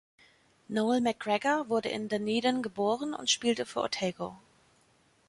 Noel McGregor wurde in Dunedin geboren und spielte für Otago.